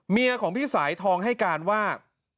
ของพี่สายทองให้การว่า